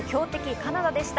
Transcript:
カナダでした。